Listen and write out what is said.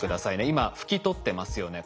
今拭き取ってますよね。